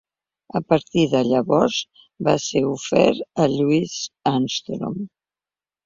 A partir de llavors, va ser ofert a Louis Armstrong.